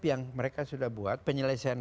yang mereka sudah buat penyelesaian